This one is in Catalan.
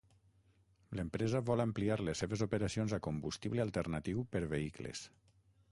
L'empresa vol ampliar les seves operacions a combustible alternatiu per vehicles.